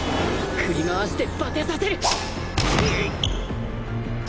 振り回してバテさせる！